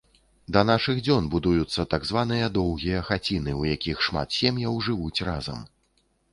Да нашых дзён будуюцца так званыя доўгія хаціны, у якіх шмат сем'яў жывуць разам.